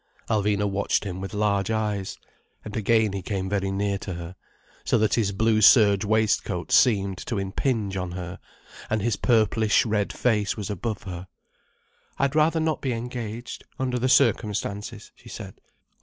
Alvina watched him with large eyes. And again he came very near to her, so that his blue serge waistcoat seemed, to impinge on her, and his purplish red face was above her. "I'd rather not be engaged, under the circumstances," she said.